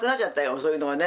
そういうのがね。